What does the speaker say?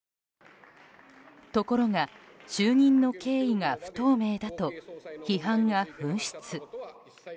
ところが就任の経緯が不透明だと批判が噴出。